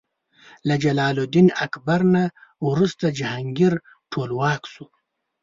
له جلال الدین اکبر نه وروسته جهانګیر ټولواک شو.